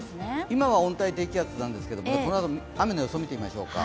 今は温帯低気圧なんですけどこのあと雨の予想を見てみましょうか。